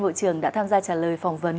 bộ trưởng đã tham gia trả lời phỏng vấn